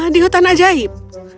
di hutan ajaib